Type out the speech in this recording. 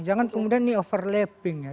jangan kemudian ini overlapping ya